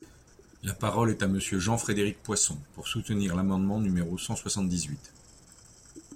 La parole est à Monsieur Jean-Frédéric Poisson, pour soutenir l’amendement numéro cent soixante-dix-huit.